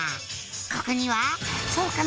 「ここには」